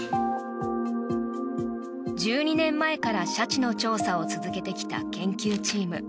１２年前からシャチの調査を続けてきた研究チーム。